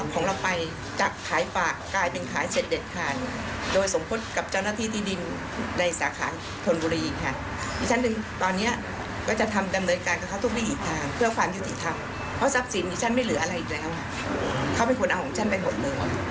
เขาไม่ควรเอาของฉันเป็นผลหนึ่ง